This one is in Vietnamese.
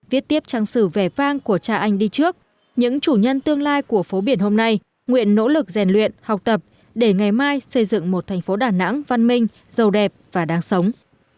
viết tiếp trang sử vẻ vang của cha anh đi trước những chủ nhân tương lai của phố biển hôm nay nguyện nỗ lực rèn luyện học tập để ngày mai xây dựng một thành phố đà nẵng văn minh giàu đẹp và đáng sống